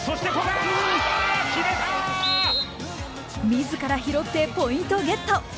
自ら拾ってポイントゲット！